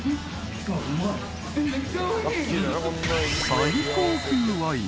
［最高級ワイン。